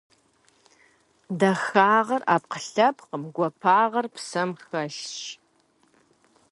Дахагъэр - ӏэпкълъэпкъым, гуапагъэр псэм хэлъщ.